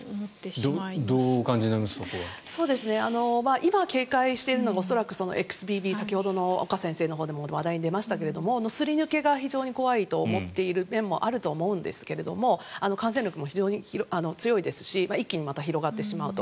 今、警戒しているのがＸＢＢ、先ほどの岡先生でも話題に出ましたがすり抜けが非常に怖いと思っている面もあると思うんですが感染力も非常に強いですし一気にまた広がってしまうと。